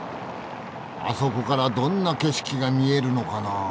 あそこからどんな景色が見えるのかなあ？